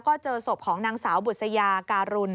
ก็เจอศพของนางสาวบุษยาการุณ